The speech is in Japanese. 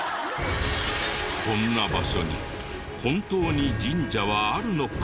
こんな場所に本当に神社はあるのか？